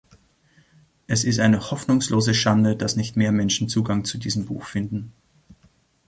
Es ist eine hoffnungslose Schande, dass nicht mehr Menschen Zugang zu diesem Buch finden.